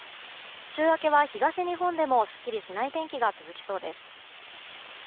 週明けは東日本でもすっきりしない天気が続きそうです。